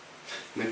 ねっ。